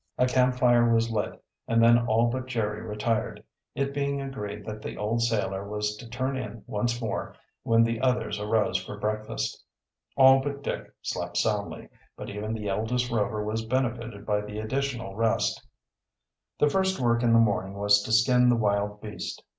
A camp fire was lit and then all but Jerry retired, it being agreed that the old sailor was to turn in once more when the others arose for breakfast. All but Dick slept soundly, but even the eldest Rover was benefited by the additional rest. The first work in the morning was to skin the wild beast.